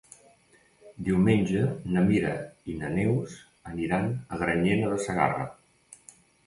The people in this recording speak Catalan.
Diumenge na Mira i na Neus aniran a Granyena de Segarra.